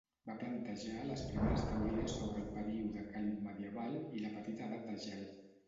Va plantejar les primeres teories sobre el període càlid medieval i la petita edat de gel.